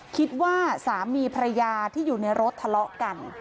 คิดว่าสามีภรรยาที่อยู่ในรถทะเลาะกัน